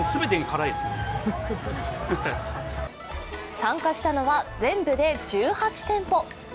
参加したのは全部で１８店舗。